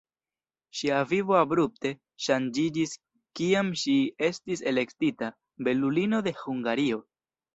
Ŝia vivo abrupte ŝanĝiĝis, kiam ŝi estis elektita "belulino de Hungario".